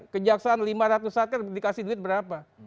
kejaksaan lima ratus satker dikasih duit berapa